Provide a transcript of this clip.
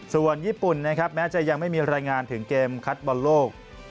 ส่วนญี่ปุ่นนะครับแม้จะยังไม่มีรายงานถึงเกมคัดบอลโลก